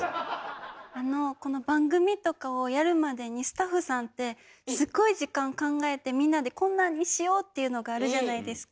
あのこの番組とかをやるまでにスタッフさんてすっごい時間考えてみんなでこんなんにしようっていうのがあるじゃないですか。